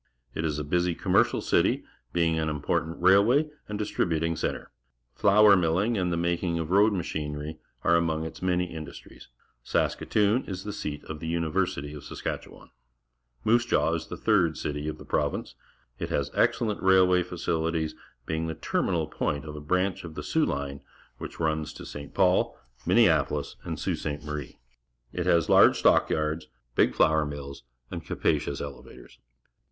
It is a busy comm ercial city, being an important railway and distrilimfing centre. Flour milling an d the malcing ofj oad macliin ery are among its many industries. Saskatoon isthe seat olthe University of Saskatchewan. Buildings of the Agricultural College, near Winnipeg Moose Jaw is the third city of the province. It has excellent railway facilities, being the terminal point of a branch of the Soo line wHicB^unsfTo St. Paul, MinneapoliSj and Sault Ste. ^arie. It has large stock yards, big flour mills, and capacious elevators.